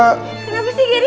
kenapa sih geri